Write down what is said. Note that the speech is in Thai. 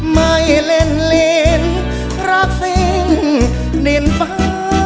ไม่เล่นลินรักสิ้นดินฟ้า